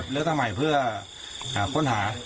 เลือกตั้งใหม่เพื่อพ้นหา